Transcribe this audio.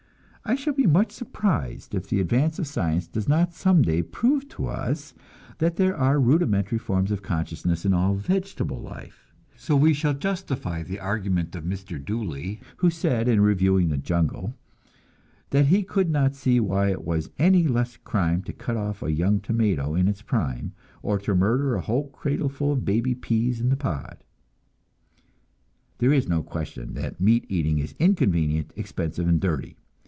I shall be much surprised if the advance of science does not some day prove to us that there are rudimentary forms of consciousness in all vegetable life; so we shall justify the argument of Mr. Dooley, who said, in reviewing "The Jungle," that he could not see how it was any less a crime to cut off a young tomato in its prime, or to murder a whole cradleful of baby peas in the pod! There is no question that meat eating is inconvenient, expensive, and dirty.